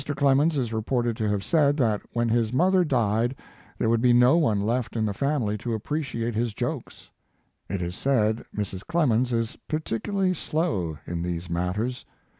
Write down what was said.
Clemens is reported to have said that when his mother died there would be no one left in the family to appreciate his jokes. It is said Mrs. Clemens is particularly slow in these matters.